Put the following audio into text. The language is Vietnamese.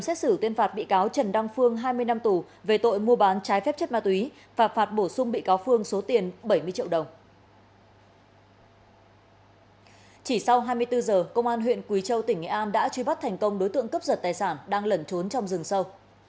chỉ sau hai mươi bốn h công an huyện quý châu tỉnh nghệ an đã truy bắt thành công đối tượng cướp giật tài sản đang lẩn trốn trong rừng sâu